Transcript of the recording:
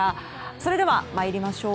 それでは参りましょう。